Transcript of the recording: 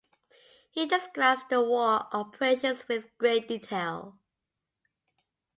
He describes the war operations with great detail.